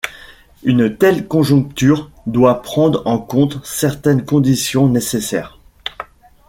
Une telle conjecture doit prendre en compte certaines conditions nécessaires.